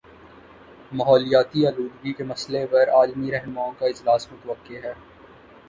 ماحولیاتی آلودگی کے مسئلے پر عالمی رہنماؤں کا اجلاس متوقع ہے